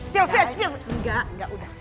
sylvia silahkan enggak enggak udah